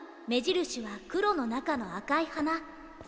目印は黒の中の赤い花。